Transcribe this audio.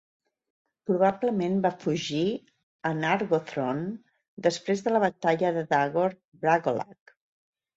Probablement va fugir a Nargothrond després de la batalla de Dagor Bragollach.